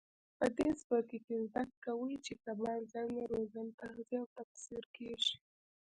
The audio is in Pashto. په دې څپرکي کې زده کوئ چې کبان څنګه روزل تغذیه او تکثیر کېږي.